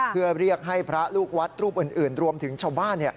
เพื่อเรียกให้พระลูกวัดรูปอื่นรวมถึงชาวบ้าน